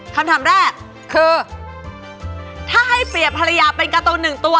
คำถามแรกคือถ้าให้เปรียบภรรยาเป็นการ์ตูนหนึ่งตัว